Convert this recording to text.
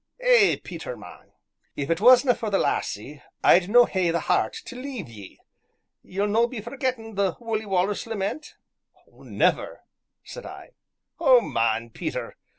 "Eh, Peter, man! if it wasna' for the lassie, I'd no hae the heart tae leave ye. Ye'll no be forgettin' the 'Wullie Wallace Lament'?" "Never!" said I. "Oh, man, Peter!